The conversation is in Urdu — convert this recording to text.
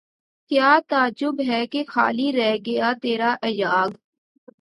کیا تعجب ہے کہ خالی رہ گیا تیرا ایاغ